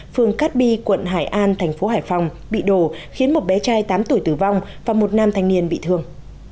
phường cát bi quận hải an thành phố hải phòng bị đổ khiến một bé trai tám tuổi tử vong và một nam thanh niên bị thương